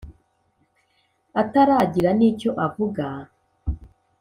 ataragira n’icyo avuga.